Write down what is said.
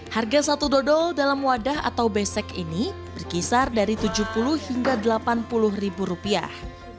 harga satu dodol dalam wadah atau besek ini berkisar dari tujuh puluh hingga delapan puluh ribu rupiah